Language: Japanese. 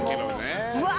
うわ！